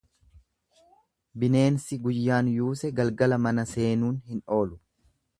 Bineensi guyyaan yuuse galgala mana seenuun hin oolu.